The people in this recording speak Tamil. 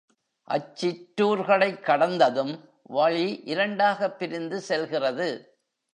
அச்சிற்றூர்களைக் கடந்ததும் வழி இரண்டாகப் பிரிந்து செல்கிறது.